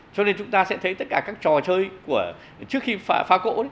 cho nên chúng ta sẽ thấy tất cả các trò chơi trước khi phá cỗ